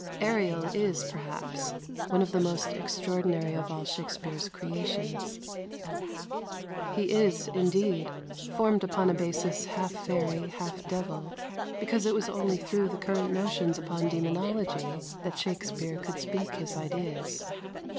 Ariel is, perhaps, one of the most extraordinary of all Shakspere's creations. He is, indeed, formed upon a basis half fairy, half devil, because it was only through the current notions upon demonology that Shakspere could speak his ideas.